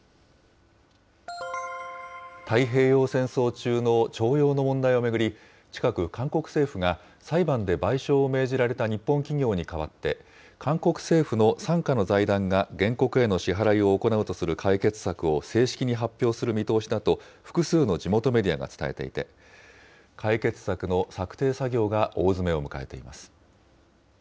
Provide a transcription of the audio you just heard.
太平洋戦争中の徴用の問題を巡り、近く韓国政府が、裁判で賠償を命じられた日本企業に代わって、韓国政府の傘下の財団が原告への支払いを行うとする解決策を正式に発表する見通しだと、複数の地元メディアが伝えていて、解決策の策定作業が大詰めを迎えています。